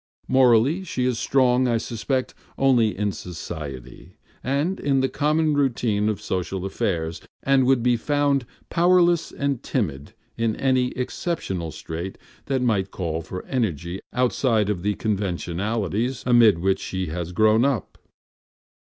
Morally, she is strong, I suspect, only in society, and in the common routine of social affairs, and would be found powerless and timid in any exceptional strait that might call for energy outside of the conventionalities amid which she has grown up.